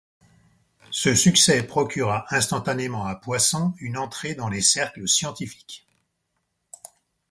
Ce succès procura instantanément à Poisson une entrée dans les cercles scientifiques.